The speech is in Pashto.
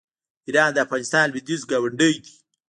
ایران د افغانستان لویدیځ ګاونډی دی.